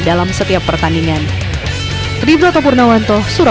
dalam setiap pertandingan